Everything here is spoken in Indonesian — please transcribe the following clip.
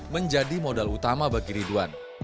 menjadi modal utama bagi ridwan